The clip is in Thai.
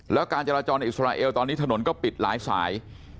แล้วการจราจรในอิสราเอลตอนนี้ถนนก็ปิดหลายสาย